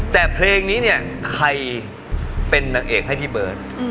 แต่เพลงนี้เนี่ยใครเป็นนางเอกให้พี่เบิร์ต